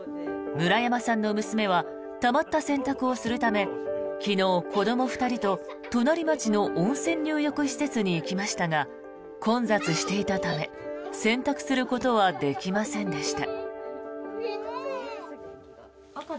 村山さんの娘はたまった洗濯をするため昨日、子ども２人と隣町の温泉入浴施設に行きましたが混雑していたため洗濯することはできませんでした。